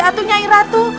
atau nyai ratu